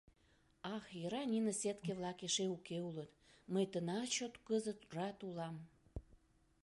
Ах, йӧра нине сетке-влак эше уке улыт, мый тынар чот кызыт рат улам!